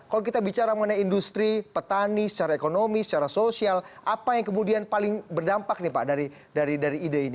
kalau kita bicara mengenai industri petani secara ekonomi secara sosial apa yang kemudian paling berdampak nih pak dari ide ini